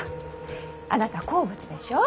あなた好物でしょう？